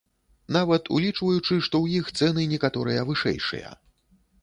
Нават улічваючы, што ў іх цэны некаторыя вышэйшыя.